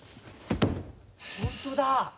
本当だ！